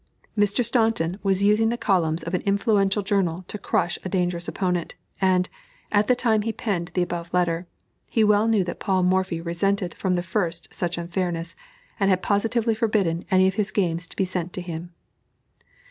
_ Mr. Staunton was using the columns of an influential journal to crush a dangerous opponent, and, at the time he penned the above letter, he well knew that Paul Morphy resented from the first such unfairness, and had positively forbidden any of his games to be sent to him.